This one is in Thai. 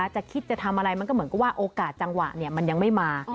จะคิดจะทำอะไรมันก็เหมือนกับว่าโอกาสจังหวะมันยังไม่มา